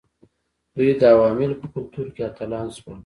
دوی د عوامو په کلتور کې اتلان شول.